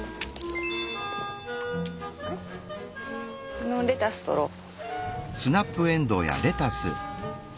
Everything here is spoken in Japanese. このレタス採ろう。